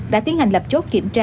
đã tiến hành lập chốt kiểm tra